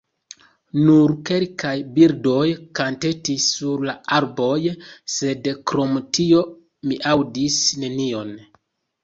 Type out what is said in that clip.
Nur kelkaj birdoj kantetis sur la arboj, sed krom tio mi aŭdis nenion.